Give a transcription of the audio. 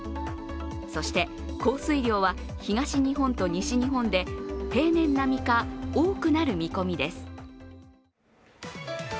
そして、降水量は東日本と西日本で平年並みか、多くなる見込みです。